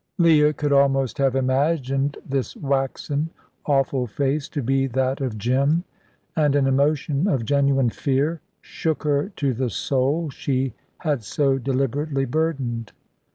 Leah could almost have imagined this waxen, awful face to be that of Jim; and an emotion of genuine fear shook her to the soul she had so deliberately burdened.